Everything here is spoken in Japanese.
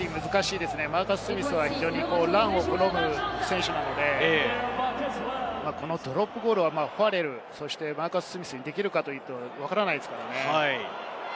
マーカス・スミスはランを好む選手なので、ドロップゴールはマーカス・スミスにできるかというと、わからないですね。